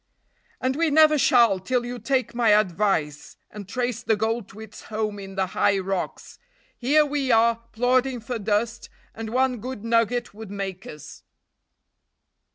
"And we never shall till you take my advice, and trace the gold to its home in the high rocks. Here we are plodding for dust, and one good nugget would make us."